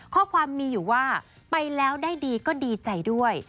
ข้อความมีอยู่ว่าไปแล้วได้ดีก็ดีใจด้วย